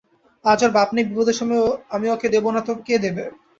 আজ ওর বাপ নেই, বিপদের সময়ে আমি ওকে দেব না তো কে দেবে?